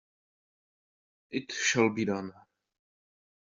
It shall be done!